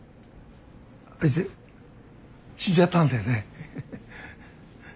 あいつ死んじゃったんだよね。